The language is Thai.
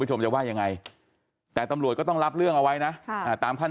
คุณผู้ชมจะว่ายังไงแต่ตำรวจก็ต้องรับเรื่องเอาไว้นะตามขั้น